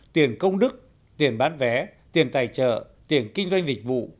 tiền công đức tiền bán vé tiền tài trợ tiền kinh doanh dịch vụ